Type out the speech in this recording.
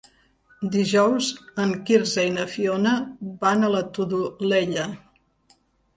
Dijous en Quirze i na Fiona van a la Todolella.